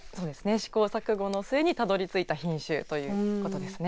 試行錯誤の末にたどりついた品種ということですね。